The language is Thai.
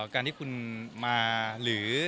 การที่คุณมาหรือ